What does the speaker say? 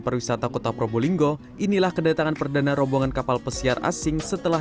perwisata kota probolinggo inilah kedatangan perdana rombongan kapal pesiar asing setelah